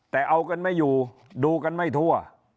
แต่เอากันไม่อยู่ดูกันไม่ทั่ว